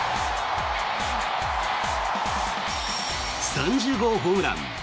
３０号ホームラン。